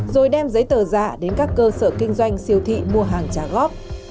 rồi đem giấy tờ giả đến các cơ sở kinh doanh siêu thị mua hàng trả góp